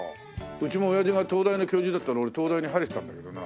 うちもおやじが東大の教授だったら俺東大に入れてたんだけどな。